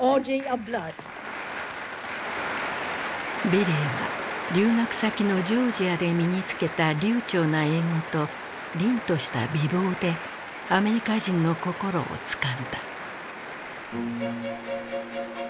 美齢は留学先のジョージアで身につけた流ちょうな英語と凛とした美貌でアメリカ人の心をつかんだ。